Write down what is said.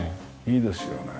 いいですよね。